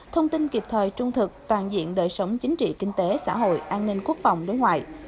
thông tin kịp thời trung thực toàn diện đời sống chính trị kinh tế xã hội an ninh quốc phòng đối ngoại